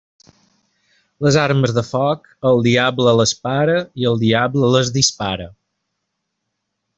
Les armes de foc, el diable les para i el diable les dispara.